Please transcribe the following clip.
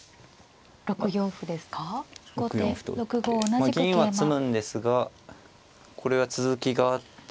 まあ銀は詰むんですがこれは続きがあって。